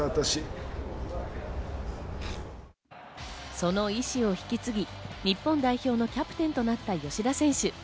その意思を引き継ぎ、日本代表のキャプテンとなった吉田選手。